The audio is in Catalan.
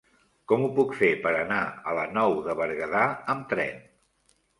Com ho puc fer per anar a la Nou de Berguedà amb tren?